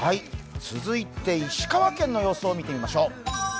続いて石川県の様子を見てみましょう。